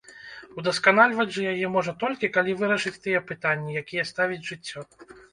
Удасканальваць жа яе можна толькі, калі вырашыць тыя пытанні, якія ставіць жыццё.